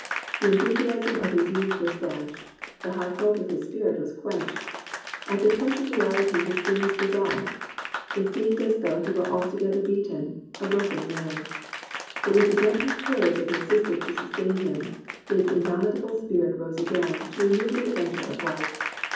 The enthusiasm of his youth was dashed, the high hope of his spirit was quenched. At the touch of reahty his dreams dissolved. It seemed as though he were altogether beaten, a broken man. But with the gentle courage of his sister to sustain him, his indomitable spirit rose again, to renew the adventure of life.